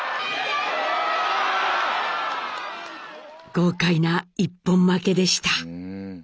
豪快な一本負けでした。